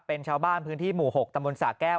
เป็นชาวบ้านพื้นที่หมู่๖ตำบลสาแก้ว